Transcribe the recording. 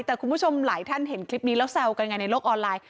แต่คุณผู้ชมหลายท่านเห็นคลิปนี้แล้วแซวกันไงในโลกออนไลน์